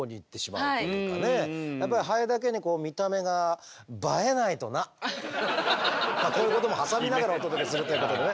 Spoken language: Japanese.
やっぱりハエだけにこういうことも挟みながらお届けするということでね。